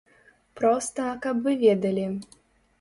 Проста, каб вы ведалі.